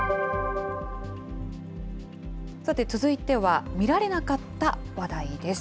さて続いては、見られなかった話題です。